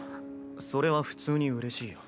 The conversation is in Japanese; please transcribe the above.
それは普通にうれしいよ。